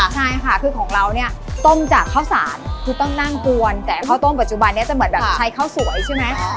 ใช่ค่ะคือของเราเนี่ยต้มจากข้าวสารคือต้องนั่งกวนแต่ข้าวต้มปัจจุบันนี้จะเหมือนแบบใช้ข้าวสวยใช่ไหม